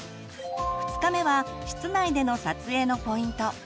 ２日目は室内での撮影のポイント。